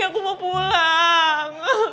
aku mau pulang